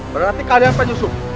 berarti kalian penyusup